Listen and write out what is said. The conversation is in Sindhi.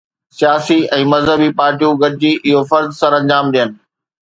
سياسي ۽ مذهبي پارٽيون گڏجي اهو فرض سرانجام ڏين.